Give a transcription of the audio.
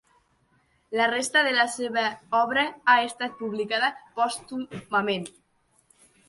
La resta de la seva obra ha estat publicada pòstumament.